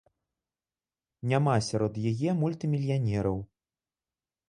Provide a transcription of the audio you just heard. Няма сярод яе мультымільянераў.